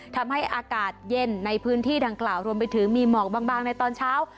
ทำให้อากาศเย็นในพื้นที่ดังกล่าวรวมไปถึงมีหมอกบางในตอนเช้า